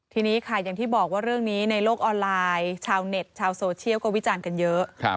ทีนี้ค่ะอย่างที่บอกว่าเรื่องนี้ในโลกออนไลน์ชาวเน็ตชาวโซเชียลก็วิจารณ์กันเยอะ